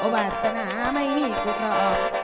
วาสนาไม่มีคุณเพราะออก